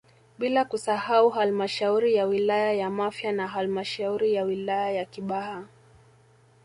Bila kusahau halmashauri ya wilaya ya Mafia na halmashauri ya wilaya ya Kibaha